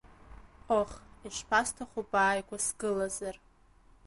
Ох, ишԥасҭаху бааигәа сгылазар…